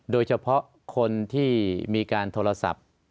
โดยเฉพาะคนที่มีการโทรศัพท์